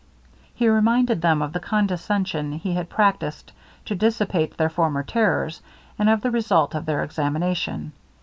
He reminded them of the condescension he had practised to dissipate their former terrors, and of the result of their examination.